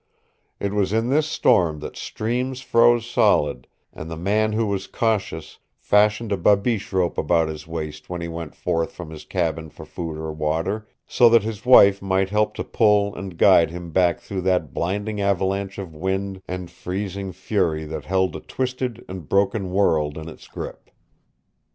It was in this storm that streams froze solid, and the man who was cautious fastened a babiche rope about his waist when he went forth from his cabin for wood or water, so that his wife might help to pull and guide him back through that blinding avalanche of wind and freezing fury that held a twisted and broken world in its grip.